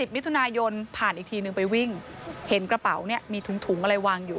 มิถุนายนผ่านอีกทีนึงไปวิ่งเห็นกระเป๋าเนี่ยมีถุงอะไรวางอยู่